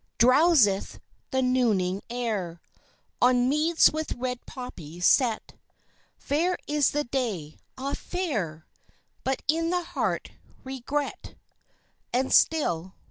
Drowseth the nooning air On meads with red poppies set; Fair is the day ah, fair! But in the heart, regret And still